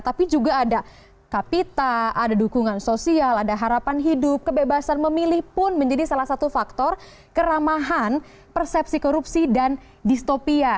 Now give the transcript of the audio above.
tapi juga ada kapita ada dukungan sosial ada harapan hidup kebebasan memilih pun menjadi salah satu faktor keramahan persepsi korupsi dan distopia